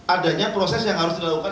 adanya proses yang harus dilakukan